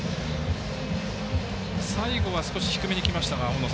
最後は、少し低めにきましたが。